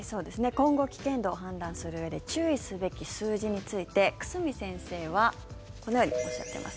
今後、危険度を判断するうえで注意すべき数字について久住先生はこのようにおっしゃっています。